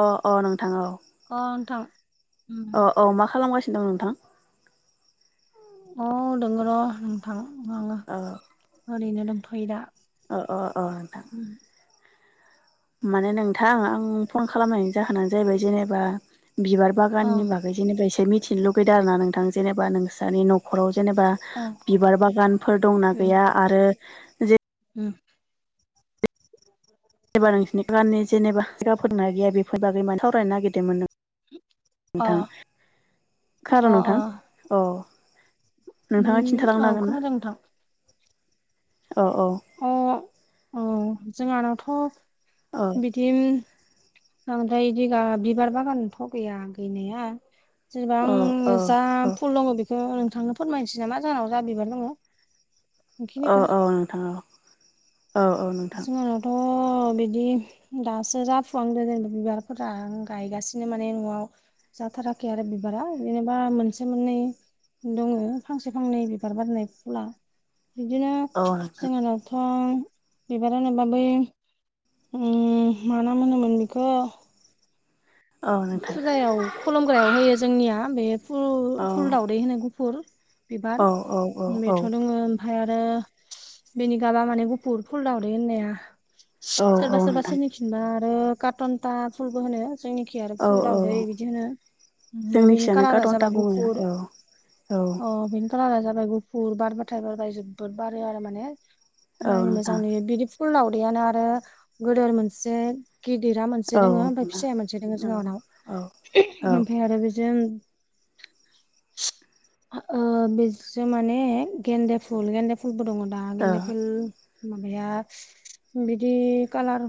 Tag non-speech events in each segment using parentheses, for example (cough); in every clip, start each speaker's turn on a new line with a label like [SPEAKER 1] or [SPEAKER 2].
[SPEAKER 1] अ अ नोंथां औ।
[SPEAKER 2] अ नोथां उम।
[SPEAKER 1] औ औ मा खालामगासिनो दं नोंथां?
[SPEAKER 2] औ दोङ र' नोंथां आङो
[SPEAKER 1] अ
[SPEAKER 2] ओरैनो दंथ'यो दा।
[SPEAKER 1] औ अ अ नोंथां।
[SPEAKER 2] उम।
[SPEAKER 1] माने नोंथां आं फन खालामनायनि जाहोनानो जाहैबाय जेनेबा बिबार
[SPEAKER 2] अ
[SPEAKER 1] बागाननि बागै जेनेबा एसे मिथिनो लुगैदों आरो ना नोंथां जेनेबा नोंस्रानि न' खराव जेनेबा
[SPEAKER 2] अ
[SPEAKER 1] बिबार बागानफोर दंना
[SPEAKER 2] उम
[SPEAKER 1] गैया आरो
[SPEAKER 2] उम।
[SPEAKER 1] एबा नोंसिनि गाननि जेनेबायगाफोर ना गैया बेफोर बागै माने सावरायनो नागिरदोंमोन।
[SPEAKER 2] अ
[SPEAKER 1] नोंथां
[SPEAKER 2] अ
[SPEAKER 1] खोनादों
[SPEAKER 2] अ
[SPEAKER 1] नोंथां? अ नोंथाङा
[SPEAKER 2] उम औ
[SPEAKER 1] खिन्थालांनो हागोन ना?
[SPEAKER 2] खोनादों नोंथां
[SPEAKER 1] अ अ
[SPEAKER 2] अ औ जोंहानावथ'
[SPEAKER 1] औ
[SPEAKER 2] बि दिम बांद्राय बिगा बिबार बागानथ गैया गैया जेनेबा
[SPEAKER 1] औ औ
[SPEAKER 2] आं जा फुल दङ बेखौ नोंथांनो फोरमायनोसै नामा जोंनाव जा बिबार दङ।
[SPEAKER 1] औ औ नोंथां औ। औ औ नोंथां
[SPEAKER 2] जोंनावथ' बिदि दासो जाफुवांदो जेनेबा बिबारफोरा गायगासिनो माने न'आव जाथाराखै आरो बिबारा जेननोबा मोनसे, मोननै दङ फांसे फांनै बिबार बारनाय फुला बिदिनो
[SPEAKER 1] औ नोंथां
[SPEAKER 2] जोंहानाव थ' बिबारा बै ओ मा ना मोनोमोन बेखौ
[SPEAKER 1] औ नोंथां
[SPEAKER 2] फुजायाव खलुमग्रायाव होयो जोंनिया बेयो
[SPEAKER 1] औ
[SPEAKER 2] फुल दाउदै होनाय गुफुर
[SPEAKER 1] औ
[SPEAKER 2] बिबार
[SPEAKER 1] औ औ औ
[SPEAKER 2] बेथ' दोङो। ओमफ्राय आरो बेनि गाबा माने गुफुर फुल दाउदै होननाया
[SPEAKER 1] औ औ
[SPEAKER 2] सोरबा सोरबा
[SPEAKER 1] नोंथां
[SPEAKER 2] सोरनि खिनबा आरो कासनदा फुलबो होनो जोंनिखि आरो
[SPEAKER 1] औ
[SPEAKER 2] फुल
[SPEAKER 1] औ
[SPEAKER 2] दाउदै बिदि होनो ओ‌ बेनि
[SPEAKER 1] जोंनिखिजायनो
[SPEAKER 2] कालारा
[SPEAKER 1] काटनटा
[SPEAKER 2] जाबाय
[SPEAKER 1] बुङो
[SPEAKER 2] गुफुर
[SPEAKER 1] औ औ
[SPEAKER 2] अ बेनि कालारा जाबाय गुफुर बारबाथाय बारबाय जोबोद बारो आरो माने
[SPEAKER 1] औ
[SPEAKER 2] नो मोजां
[SPEAKER 1] नोंथां
[SPEAKER 2] नुयो बिदि। फुल उनदैयानो आरो गदोर मोनसे गिदिरा मोनसे
[SPEAKER 1] औ
[SPEAKER 2] दङो ओमफ्राय
[SPEAKER 1] नोंथां
[SPEAKER 2] फिसाया मोनसे दङो। ओ जों उनाव
[SPEAKER 1] औ औ
[SPEAKER 2] ओमफ्राय आरो बिजों
[SPEAKER 1] (inaudible)
[SPEAKER 2] ओ बिजों माने गेन्दे फुल गेन्दे फुलबो दङ। बा गेनदा फुल माबाया बिदि कालार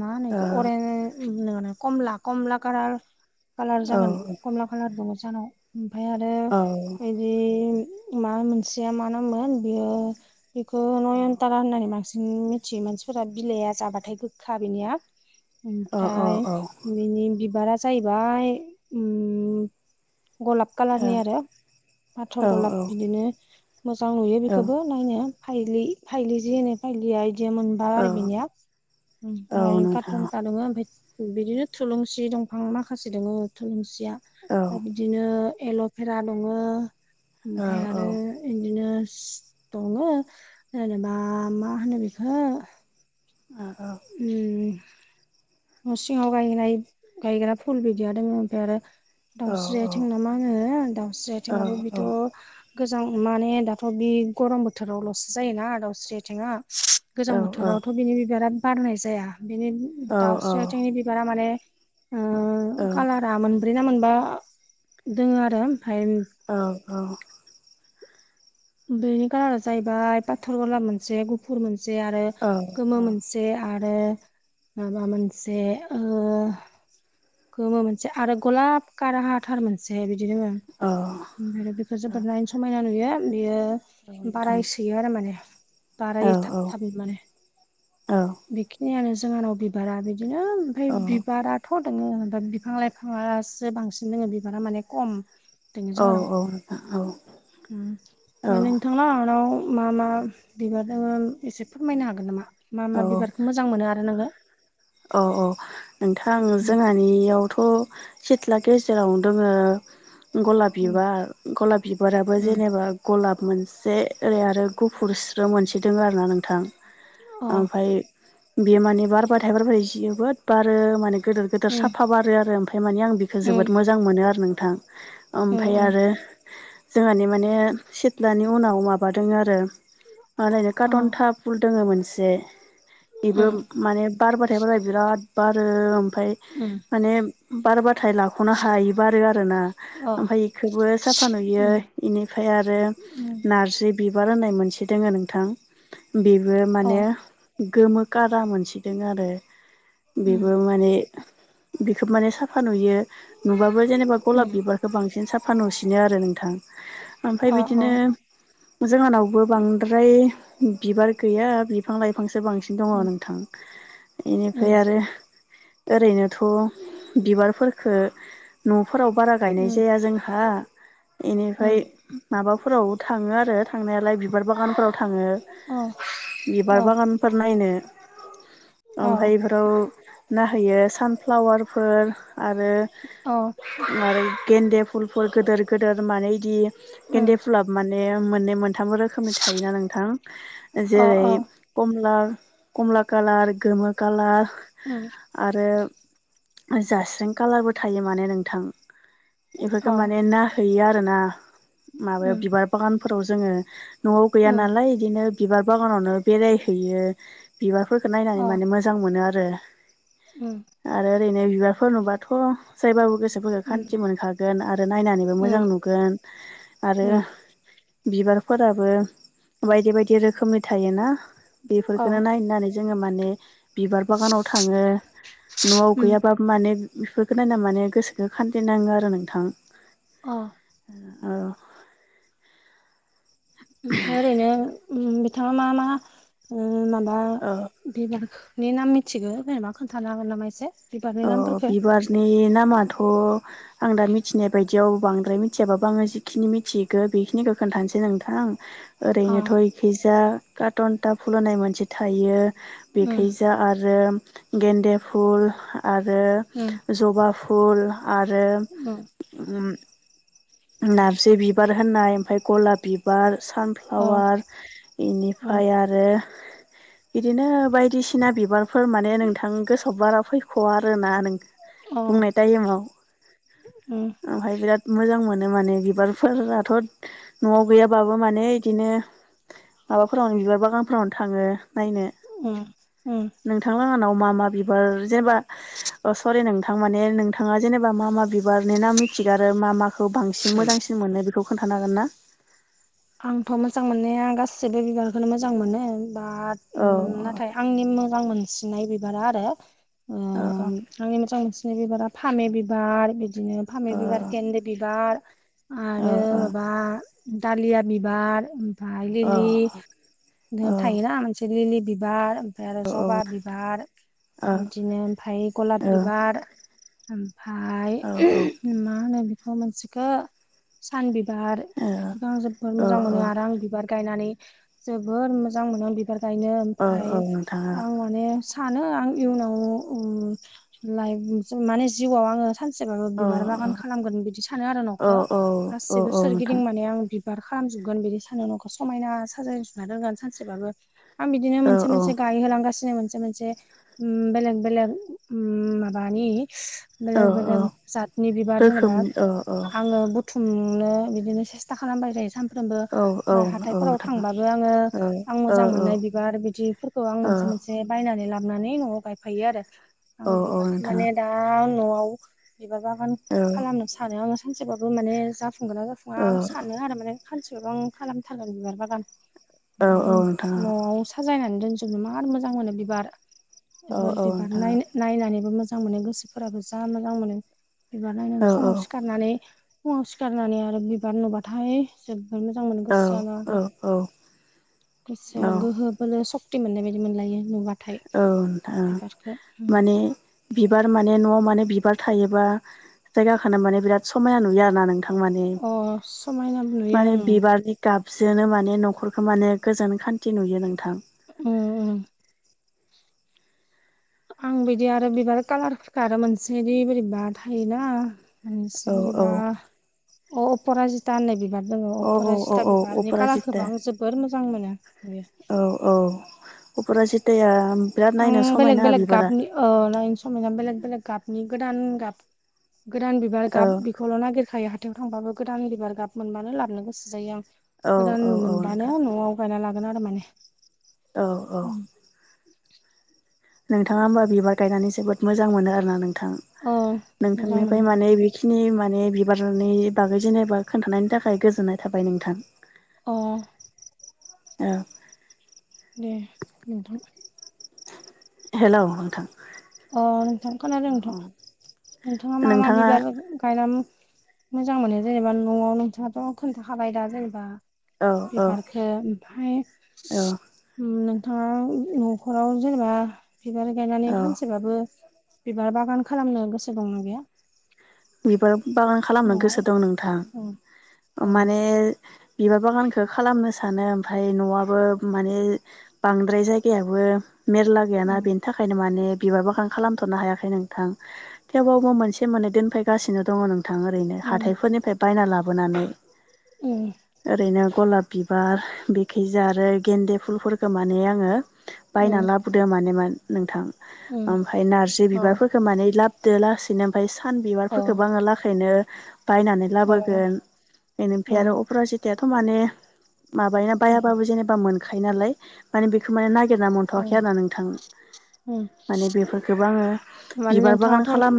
[SPEAKER 2] मा होनो बेखो अरेनस नडा नडा कमला कालार जागोन। खालार दङ सानाव ओमफ्राय आरो
[SPEAKER 1] औ
[SPEAKER 2] ओम बे मा मोनसेया मा नामोन बेयो हो बेखौ नयनतारा होननानै बांसिन मिथियो। मानसिफोरा बिलाइआ जाबाथाय गोखा बिनिया
[SPEAKER 1] ओ ओ औ
[SPEAKER 2] ओमफ्राय बिनि बिबारा जाहैबाय गलाब कालारनि आरो फाथर गलाप बिदिनो मोजां नुयो
[SPEAKER 1] औ
[SPEAKER 2] बेखौबो। नायनो फाइलि जि होनो फायलिया बिदिया मोनो बार
[SPEAKER 1] औ
[SPEAKER 2] आरो बेनिया
[SPEAKER 1] औ नोंथां
[SPEAKER 2] कासानदा दङ बिदिनो थुलुंसि दंफां माखासे दङो थुलुंसिया
[SPEAKER 1] औ
[SPEAKER 2] आरो बिदिनो एल'भेरा दङ ओमफ्राय
[SPEAKER 1] औ औ
[SPEAKER 2] आरो बिदिनो दङो जेनेबा मा होनो बेखौ
[SPEAKER 1] ओ औ
[SPEAKER 2] उम न' सिङाव गायनाय गायग्रा फुल बिदिया दं ओमफ्राय आरो दाउस्रि आथिं नामा आङो दाउस्रि आथिंआबो बेथ' गोजां माने दाथ' बे गरम बोथोरावल'सो जायोना दाउस्रि आइथेंआ गोजां बोथोरावथ'
[SPEAKER 1] औ
[SPEAKER 2] बिनि बिबारा बारनाय जाया बिनि
[SPEAKER 1] औ औ
[SPEAKER 2] दाउस्रि आथिंनि बिबारा माने कालारा मोन ब्रै ना मोनबा दोङो आरो ओमफ्राय
[SPEAKER 1] औ-औ
[SPEAKER 2] बेनि कालारा जाहैबाय पाथर कालार मोनसे गुफुर मोनसे आरो गोमो मोन से आरो माबा मोनसे ओ गोमो मोनसे आरो गलाब कारहा थार मोनसे बिदि दोङो
[SPEAKER 1] औ
[SPEAKER 2] ओमफ्राय बेखौ जोबोर नायनो समायना नुयो बेयो
[SPEAKER 1] औ नोंथां
[SPEAKER 2] बारायसोयो आरो माने
[SPEAKER 1] औ
[SPEAKER 2] बारायो थाब थाब माने बेखिनियानो जोंहानाव बिबारा बिदिनो ओमफ्राय
[SPEAKER 1] औ
[SPEAKER 2] बिबाराथ' दङो ओफ्राय बिफां लाइफाङासो बांसिन दङ बिबारा माने खम (unintelligible)
[SPEAKER 1] औ
[SPEAKER 2] जोङानाव
[SPEAKER 1] औ नोंथां औ
[SPEAKER 2] ओ
[SPEAKER 1] औ
[SPEAKER 2] नोंथांलांआनाव मा मा बिबार दङ एसे फोरमायनो हागोन नामा मा मा बिबारखौ मोजां मोनो आरो नोङो
[SPEAKER 1] औ-औ नोंथां
[SPEAKER 2] उम
[SPEAKER 1] जोंहा नियावथ' सिथ्ला गेजेरावनो दङो गलाब
[SPEAKER 2] उम
[SPEAKER 1] बिबार गलाब बिबाराबो
[SPEAKER 2] उम
[SPEAKER 1] जेनेबा गलाब मोनसे ओरै आरो गुफुरस बियाव मोनसे दोङो आरो ना नोंथां
[SPEAKER 2] अ
[SPEAKER 1] ओमफाय बियो माने बारबा (unintelligible) जोबोद बारो माने गोदोर गोदोर
[SPEAKER 2] उम
[SPEAKER 1] साफा बारो आरो ओमफाय माने आं बेखो
[SPEAKER 2] उम
[SPEAKER 1] जोबोद मोजां मोजां मोनो आरो नोंथां ओमफ्राय
[SPEAKER 2] उम उम
[SPEAKER 1] आरो जोंहानि माने सिथ दानि उनाव माबा दङ आरो मालायनो
[SPEAKER 2] अ
[SPEAKER 1] काटनथा फुल दोङो मोनसे इबो
[SPEAKER 2] उम
[SPEAKER 1] माने बारबाथाय बारबाय बिराद बारो ओमफ्राय
[SPEAKER 2] ओम
[SPEAKER 1] माने बारबाथाय ला खनो हायोबा आरो आरोना
[SPEAKER 2] अ
[SPEAKER 1] ओमफ्राय बेखौबो साफा नुयो
[SPEAKER 2] उम
[SPEAKER 1] बेनिफ्राय आरो
[SPEAKER 2] उम
[SPEAKER 1] नारजि बिबार होननाय मोनसे दोङो नोंथां बिबो
[SPEAKER 2] अ
[SPEAKER 1] माने गोमो कारा मोनसे आरो
[SPEAKER 2] उम
[SPEAKER 1] बेबो माने बेखोबो माने साफा नुयो नुबाबो जेनेबा
[SPEAKER 2] उम
[SPEAKER 1] गलाब बिबारखौ बांसिन साफा नुसिनो आरो नोंथां ओमफ्राय
[SPEAKER 2] अ अ
[SPEAKER 1] बिदिनो जोंहानावबो बांद्राय बिबार गैया बिफां लाइफांसो बांसि दङ
[SPEAKER 2] उम
[SPEAKER 1] नोंथां
[SPEAKER 2] उम
[SPEAKER 1] इनिफ्राय आरो ओरैनोथ' बिबारफोरखो न'फोराव बारा गायनाय
[SPEAKER 2] उम
[SPEAKER 1] जाया जोंहा इनिफ्राय
[SPEAKER 2] उम
[SPEAKER 1] माबाफोराव थाङो आरो थांनायालाय बिबार बागानफोराव थाङो
[SPEAKER 2] अ
[SPEAKER 1] बिबार
[SPEAKER 2] अ
[SPEAKER 1] बागानफोर नायनो
[SPEAKER 2] अ
[SPEAKER 1] ओमफ्राय इफोराव नाहोयो सानफ्लावारफोर आरो
[SPEAKER 2] अ
[SPEAKER 1] (unintelligible) गेन्दे फुलफोर गोदोर गोदोर माने इदि गेन्दे
[SPEAKER 2] उम
[SPEAKER 1] फुलाबो माने मोननै मोनथामबो रोखोमनि थायोना नोंथां
[SPEAKER 2] अ
[SPEAKER 1] जेरै कमला कमला कालार गोमो कालार
[SPEAKER 2] ओम
[SPEAKER 1] आरो जास्रें कालारबो थायो माने नोंथां इफोरखो
[SPEAKER 2] अ
[SPEAKER 1] माने नाहैैयो आरो ना माबायाव
[SPEAKER 2] उम
[SPEAKER 1] बिबार बागानफोराव जोङो न'आव गैया
[SPEAKER 2] उम
[SPEAKER 1] नालाय इदिनो बिबार बागानावनो बेरायहैयो बिबारफोरखौ नायनानै माने मोजां मोनो आरो
[SPEAKER 2] ओ
[SPEAKER 1] आरो ओरैनो बिबारफोर नुबाथ' जायबाबो गोसोफोरखौ
[SPEAKER 2] उम
[SPEAKER 1] खान्थि मोनखागोन आरो नायनानैबो
[SPEAKER 2] उम
[SPEAKER 1] मोजां नुगोन आरो
[SPEAKER 2] उम
[SPEAKER 1] बिबारफोराबो बायदि बायदि रोखोमनि थायोना
[SPEAKER 2] अ
[SPEAKER 1] बेफोरफोरखोनो नायनो नानै जोङो माने बिबार बागानाव थाङो नवाव
[SPEAKER 2] उम
[SPEAKER 1] गैयाबाबो माने बिफोरखौ नायना माने गोसोखो खान्थि नाङो आरो नोंथां
[SPEAKER 2] अ
[SPEAKER 1] औ
[SPEAKER 2] ओमफाय ओरैनो उम बिथाङा मा मा माबा
[SPEAKER 1] औ
[SPEAKER 2] बिबारनि नाम मिथिगौ जेनेबा खोन्थानो हागोन नामा एसे बिबारनि
[SPEAKER 1] अ
[SPEAKER 2] नामफोरखौ
[SPEAKER 1] बिबारनि नामाथ' आं दा मिथिनाय बायदियाव बांद्राय मिथियाबाबो आङो जिखिनि मिथिगो बेखिनिखौ खोन्थानोसै नोंथां
[SPEAKER 2] अ
[SPEAKER 1] ओरैनोथ' इखैजा काटनटा फुल होननाय मोनसे थायो
[SPEAKER 2] उम
[SPEAKER 1] बिखैजा दा आरो गेन्दे फुल आरो
[SPEAKER 2] उम
[SPEAKER 1] जबा फुल आरो उम नारजि बिबार होननाय ओमफाय गलाब बिबार
[SPEAKER 2] अ
[SPEAKER 1] सानफ्लावार
[SPEAKER 2] उम
[SPEAKER 1] इनिफाय आरो आरो बिदिनो बायदिसिना बिबारफोर माने नोंथां गोसोआव बारा फै ख'आ आरोना नों
[SPEAKER 2] अ
[SPEAKER 1] बुंनाय टाइमाव
[SPEAKER 2] उम
[SPEAKER 1] ओमफ्राय बिराद मोजां मोनो नो माने बिबारफोराथ' न'आव गैयाबाबो माने बिदिनो माबाफोरावनो बिबार बागानफोरावनो थाङो नायनो
[SPEAKER 2] उम उम
[SPEAKER 1] नोंथांलाहानाव मा मा बिबार जेनेबा अ सरि नोंथां माने नोंथाङा जेनेबा मा मा बिबारनि नाम मिथिगो आरो मा माखौ बांसिन मोजांसिन मोनो बेखौ खोन्थानो हागोन ना
[SPEAKER 2] आंथ' मोजां मोननाया गासैबो बिबारखौनो मोजां मोनो बाट
[SPEAKER 1] औ
[SPEAKER 2] उम ना नाथाय आंनि मोजां मोनसिननाय बिबारा आरो
[SPEAKER 1] ओ ओ
[SPEAKER 2] आंनि मोजां मोनसिननाय बिबारा फामि बिबार बिदिनो फामि
[SPEAKER 1] ओ
[SPEAKER 2] बिबार गेन्दे बिबार
[SPEAKER 1] ओ
[SPEAKER 2] आरो माबा दालिया बिबार ओमफाय लिलि
[SPEAKER 1] औ औ ओ औ ओ
[SPEAKER 2] थायोना मोनसे लिलि बिबार ओमफाय आरो जबा बिबार
[SPEAKER 1] औ
[SPEAKER 2] बिदिनो ओमफाय गलाब बिबार ओमफाय मा होनो बिखौ मोनसेखौ सान बिबार ओ बेफोरखौ आं जोबबोद मोजां
[SPEAKER 1] औ
[SPEAKER 2] मोनो आरो आं बिबार गायनानै जोबोर मोजां मोनो बिबार गायनो
[SPEAKER 1] औ
[SPEAKER 2] ओमफ्राय
[SPEAKER 1] औ नोंथां
[SPEAKER 2] आं माने सानो आं इयुनाव उम लाइक माने जिउआव आङो सानसेबाबो
[SPEAKER 1] औ
[SPEAKER 2] बिबार बागान खालामगोन बिदि सानो आरो
[SPEAKER 1] औ
[SPEAKER 2] न'खौ
[SPEAKER 1] औ
[SPEAKER 2] गासिबो
[SPEAKER 1] औ नोंथां
[SPEAKER 2] सोरगिदिं माने आं बिबार खालामजोबगोन बिदि सानो न'खौ समायना साजाय जोबना दोनगोन सानसेबाबो आं बिदिनो
[SPEAKER 1] औ
[SPEAKER 2] मोनसे मोनसे
[SPEAKER 1] औ
[SPEAKER 2] गायहोहोलांगासिनो मोनसे मोनसे उम बेलेग बेलेग उम माबानि
[SPEAKER 1] औ
[SPEAKER 2] बेलेग बेलेग
[SPEAKER 1] औ
[SPEAKER 2] जातनि बिबार जेनेबा
[SPEAKER 1] रोखोम औ औ
[SPEAKER 2] आङो बुथुमनो बिदिनो सेस्था खालाम खालामबाय थायो सानफ्रोमबो
[SPEAKER 1] औ औ
[SPEAKER 2] ओफ्राय हाथायफोराव
[SPEAKER 1] नोंथां
[SPEAKER 2] थांबाबो आङो
[SPEAKER 1] औ
[SPEAKER 2] आं
[SPEAKER 1] औ
[SPEAKER 2] मोजां मोननाय बिबार बिदिफोरखौ आं
[SPEAKER 1] औ
[SPEAKER 2] मोनसे मोनसे बायनानै लाबनानै न'आव गायफैयो आरो
[SPEAKER 1] औ
[SPEAKER 2] आं
[SPEAKER 1] औ
[SPEAKER 2] बिबारखौ
[SPEAKER 1] नोंथां
[SPEAKER 2] माने दा अ न'आव बिबार बागान
[SPEAKER 1] औ
[SPEAKER 2] खालामनो सानो आङो सानसेबाबो माने जाफुंगोना जाफु
[SPEAKER 1] औ
[SPEAKER 2] खानसेबाबो आं खालाम थारगोन बिबार बागान
[SPEAKER 1] औ औ नोंथां
[SPEAKER 2] साजायनानै दोनजोबनो मार मोजां मोनो बिबार
[SPEAKER 1] औ औ नोंथां औ
[SPEAKER 2] बिबार नायनो नायनानैबो मोजां मोनो गोसोफोराबो जा मोजां मोनो बिबार नायनानै फुङाव सिखा सिखारनानै फुङाव सिखारनानै आरो बिबार नुबाथाय जोबबोर मोजां मोनो
[SPEAKER 1] औ
[SPEAKER 2] गोसोआ नो
[SPEAKER 1] औ
[SPEAKER 2] आरो
[SPEAKER 1] औ
[SPEAKER 2] गोसोआ गोहो बोलो स- क्ति मोननायबायदि मोनलायो नुबा
[SPEAKER 1] औ नोंथां माने बिबार माने न'आव माने बिबार थायोबा जायगााखो माने बिराद समायना नुयो आरोना नोंथां माने
[SPEAKER 2] अ समायना नुयो
[SPEAKER 1] माने
[SPEAKER 2] ओं
[SPEAKER 1] बिबारनि गाबजोनो माने न'खरखौ माने गोजोन खान्थि नुयो नोंथां
[SPEAKER 2] उम उम आं बिदि आरो बिबार कालारफोरखौ आरो मोनसेदि बोरैबा थायोना मोनसे
[SPEAKER 1] औ औ
[SPEAKER 2] बोरैबा अ अपरा जिता होननाय बिबार दङ
[SPEAKER 1] औ औ
[SPEAKER 2] अपरा
[SPEAKER 1] औ
[SPEAKER 2] जिता
[SPEAKER 1] औ
[SPEAKER 2] बिबारनि
[SPEAKER 1] अपराजिता
[SPEAKER 2] कालारखौबो आं जोबोर मोजां मोनो बेयो
[SPEAKER 1] औ औ अपरा जिथाया
[SPEAKER 2] आं बेलेग बेलेग गाबनि समे (unintelligible) बेलेग बेलेग गाबनि गोदान गाब गोदान बिबार
[SPEAKER 1] औ
[SPEAKER 2] गाब खौल' नागिरखायो हाथायाव थांबाबो गोदान बिबार गाब मोनबानो लाबनो गोसो जायो आं
[SPEAKER 1] औ औ
[SPEAKER 2] गोदान
[SPEAKER 1] औ नोंथां
[SPEAKER 2] मोनबानो न'आव गायना लागोन आरो माने
[SPEAKER 1] औ औ नोंथाङा होमबा बिबार गायनानै जोबोद मोजां मोनो आरो ना नोंथां
[SPEAKER 2] औ मोजां
[SPEAKER 1] नोंथांनिफ्राय
[SPEAKER 2] मोनो
[SPEAKER 1] माने बेखिनि माने बिबारनि बागै जेनेबा खोन्थानायनि थाखाय गोजोननाय थाबाय नोंथां
[SPEAKER 2] अ
[SPEAKER 1] ओ
[SPEAKER 2] दे नोंथां
[SPEAKER 1] हेलौ नोंथां
[SPEAKER 2] अ नोंथां खोनादों
[SPEAKER 1] औ
[SPEAKER 2] नोंथां नोंथाङा मा मा बिबार गायनानै मोजां मोनो जेनेबा न'वाव नोंथाङाथ' खोन्थाखाबाय दा जेनेबा
[SPEAKER 1] औ औ
[SPEAKER 2] बिबारखो ओमफ्राय
[SPEAKER 1] औ
[SPEAKER 2] नोंथाङा न'खराव जेनेबा बिबार गायनानै
[SPEAKER 1] औ
[SPEAKER 2] खानसे एसेबाबो बिबार बागान खालामनो गोसो दंना गैया
[SPEAKER 1] बिबार बागान खालामनो
[SPEAKER 2] न'आव
[SPEAKER 1] गोसो दं नोंथां
[SPEAKER 2] उम अ
[SPEAKER 1] माने बिबार बागानखौ खालामनो सानो ओमफाय न'आबो माने बांद्राय जायगायाबो मेरला गैयाना
[SPEAKER 2] उम
[SPEAKER 1] बेनि थाखायनो माने बिबार बागान खालामथ'नो हायाखै नोंथां थेवबाबो मोनसे मोननै दोनफैगासिनो दङ नोंथां गोथां ओरैनो
[SPEAKER 2] उम
[SPEAKER 1] हााइफोरनिफ्राय बायना लाबोनानै
[SPEAKER 2] उम
[SPEAKER 1] ओरैनो गलाब बिबार बिखिजा आरो गेन्दे फुलफोरखौ माने आङो बायना
[SPEAKER 2] उम
[SPEAKER 1] लाबोदों मानेमोन नोंथां
[SPEAKER 2] उम
[SPEAKER 1] ओमफाय नारजि
[SPEAKER 2] अ
[SPEAKER 1] बिबारफोरखौ माने लाब दो लासैनो ओमफ्राय सान
[SPEAKER 2] अ
[SPEAKER 1] बिबारफोरखौबो आङो लाखैनो बायनानै
[SPEAKER 2] अ
[SPEAKER 1] लाबोगोन बेनिफ्राय आरो
[SPEAKER 2] उम
[SPEAKER 1] अपरा जितायाथ' माने माबायोना
[SPEAKER 2] उम
[SPEAKER 1] बायाबाबो जेनेबा मोनखायो नालाय माने बेखौ माने नाय नागिरना
[SPEAKER 2] उम
[SPEAKER 1] मोनथ'वाखै आरोना नोंथां
[SPEAKER 2] उम
[SPEAKER 1] माने बेफोरखौबो आङो
[SPEAKER 2] माने
[SPEAKER 1] बिबार बागान
[SPEAKER 2] नोंथाङाथ'
[SPEAKER 1] खालाम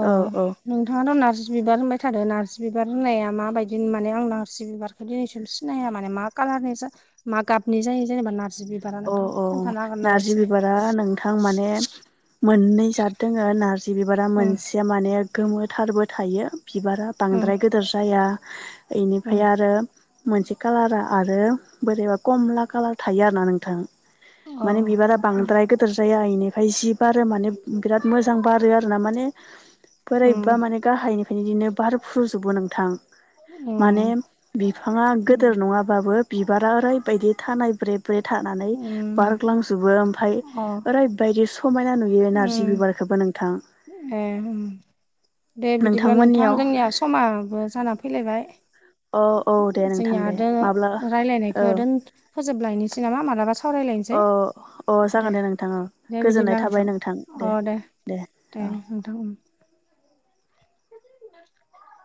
[SPEAKER 2] अ
[SPEAKER 1] औ औ
[SPEAKER 2] नोंथाङाथ' नारजि बिबार होनबाय थादों नारजि बिबार होननाया माबायदि माने आं नारजि बिबारखौ बे दिनैसिम सिनाया माने मा कालारनि मा गाबनि जायो जेनेबा नारजि बि
[SPEAKER 1] अ औ नारजि बिबारा नोंथां माने मोननै दङ नारजि बि बिबारा
[SPEAKER 2] उम
[SPEAKER 1] मोनसे माने गोमोथारबो थायो बिबारा
[SPEAKER 2] उम
[SPEAKER 1] बांद्राय गोदोर जाया
[SPEAKER 2] उम
[SPEAKER 1] इनिफ्राय आरो मोनसे कालारा आरो बोरैबा कमला कालार थायो आरोना नों (unintelligible)
[SPEAKER 2] अ
[SPEAKER 1] माने बिबारा
[SPEAKER 2] उम
[SPEAKER 1] बांद्राय गोदोर जाया इनिफ्राय जि बारो माने बिराद मोजां बारो आरोना माने
[SPEAKER 2] उम
[SPEAKER 1] बोरायबा माने गाहायनिफ्रायनो बारफ्रुजोबो नोंथां माने
[SPEAKER 2] उम
[SPEAKER 1] बिफाङा
[SPEAKER 2] उम
[SPEAKER 1] गिदिर नङाबाबो बिबारा ओरैबायदि थानाय ब्रे ब्रे थानानै
[SPEAKER 2] उम
[SPEAKER 1] बारलांजोबो ओमफ्राय
[SPEAKER 2] अ
[SPEAKER 1] ओरैबायदि समायना नुयो नार्जि
[SPEAKER 2] उम
[SPEAKER 1] बिबारखौबो नोंथां
[SPEAKER 2] ए दे बिदिब्ला नोंथां
[SPEAKER 1] नोंथांमोननियाव
[SPEAKER 2] जोंनिया समाबो जाना फैलायबाय
[SPEAKER 1] औ औ दे नोंथां
[SPEAKER 2] जोंनिया
[SPEAKER 1] दे माब्ला औ
[SPEAKER 2] रायलायनायखौ फोजोबलायनोसै नामा मालाबा
[SPEAKER 1] अ
[SPEAKER 2] सावरायलायनोसै
[SPEAKER 1] अ जागोन दे नोंथां औ
[SPEAKER 2] दे
[SPEAKER 1] गोजोननाय
[SPEAKER 2] बिदिब्ला
[SPEAKER 1] थाबाय नोंथां दे दे
[SPEAKER 2] दे
[SPEAKER 1] औ
[SPEAKER 2] नोंथां ओं (inaudible)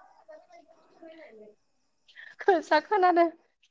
[SPEAKER 2] (unintelligible) खोनादो